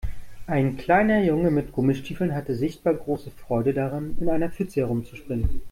Ein kleiner Junge mit Gummistiefeln hatte sichtbar große Freude daran, in einer Pfütze herumzuspringen.